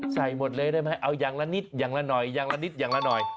สายหมดเลยได้ไหมเอายังละนิดอย่างละหน่อย